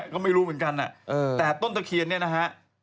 ก็ไม่รู้เหมือนกันแต่ต้นตะเคียนเนี่ยนะฮะ